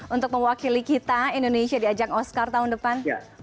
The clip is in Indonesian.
untuk mewakili kita indonesia di ajang oscar tahun depan